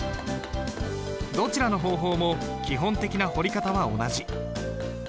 どちらの方法も基本的な彫り方は同じ。